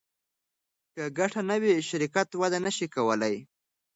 که ګټه نه وي شرکت وده نشي کولی.